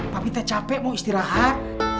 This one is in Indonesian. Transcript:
papa kita capek mau istirahat